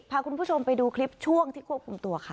พาคุณผู้ชมไปดูคลิปช่วงที่ควบคุมตัวค่ะ